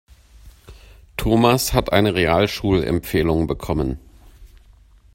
Thomas hat eine Realschulempfehlung bekommen.